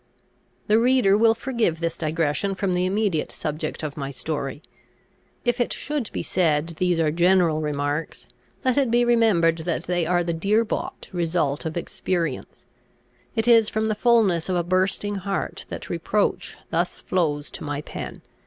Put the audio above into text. The reader will forgive this digression from the immediate subject of my story. If it should be said these are general remarks, let it be remembered that they are the dear bought, result of experience. It is from the fulness of a bursting heart that reproach thus flows to my pen.